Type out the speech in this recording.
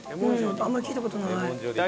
あんまり聞いた事ない。